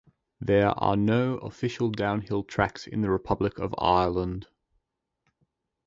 There are no official downhill tracks in the Republic of Ireland.